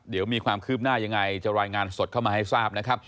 เดี๋ยวมีความคืบหน้ายังไงจะรายงานสดเข้ามาให้ทราบนะครับ